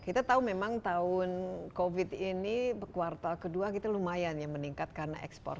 kita tahu memang tahun covid ini kuartal kedua kita lumayan ya meningkat karena ekspor